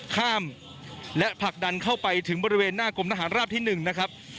ข้ามและผลักดันเข้าไปถึงบริเวณหน้ากรมทหารราบที่๑นะครับ